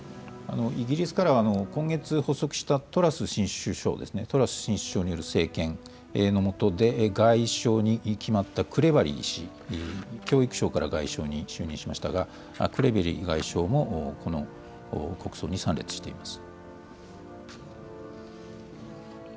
イギリスからは、今月発足したトラス新首相ですね、トラス新首相による政権の下で、外相に決まったクレバリー氏、教育相から外相に就任しましたが、クレバリー外相もこの国葬に参列しています。